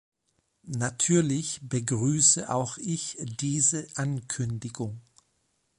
Natürlich begrüße auch ich diese Ankündigung.